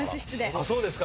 あっそうですか。